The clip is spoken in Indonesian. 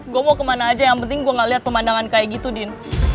gua mau kemana aja yang penting gua gak liat pemandangan kayak gitu din